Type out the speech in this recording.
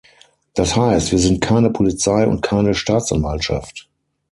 Das heißt, wir sind keine Polizei und keine Staatsanwaltschaft.